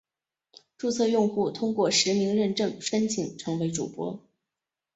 注册用户通过实名认证申请成为主播。